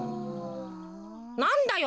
なんだよ